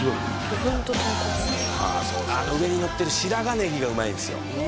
魚粉と豚骨あの上にのってる白髪ネギがうまいんですよ